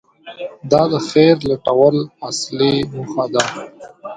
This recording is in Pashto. • دا د خیر لټول اصلي موخه وه.